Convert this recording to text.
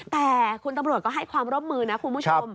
แต่คุณตำรวจก็ให้ความร่วมมือนะคุณผู้ชม